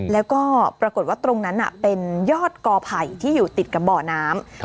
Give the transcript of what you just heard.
แล้วก็ปรากฏว่าตรงนั้นเป็นยอดกอไผ่ที่อยู่ติดกับบ่อน้ำ